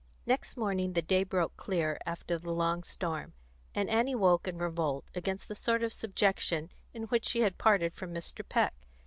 Next morning the day broke clear after the long storm, and Annie woke in revolt against the sort of subjection in which she had parted from Mr. Peck.